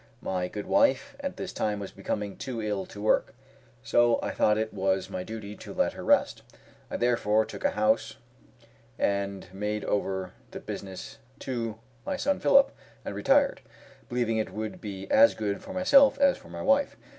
My good wife at this time was becoming too ill to work, so I thought it was my duty to let her rest. I, therefore, took a house, and made over the business to my son Phillip, and retired, believing it would be as good for myself as for my wife.